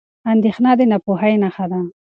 اندېښنه د ناپوهۍ نښه ده.